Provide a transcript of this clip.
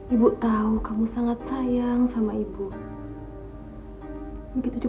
ibu tahu kamu sangat sayang sama ibu